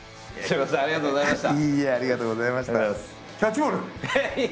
いいえありがとうございました。